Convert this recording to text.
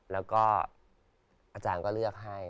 แล้วก็อาจารย์ก็เลือกให้